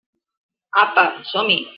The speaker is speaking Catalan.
Apa, som-hi!